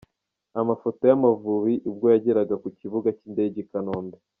Amafoto y’Amavubi ubwo yageraga ku kibuga cy’indege i Kanombe .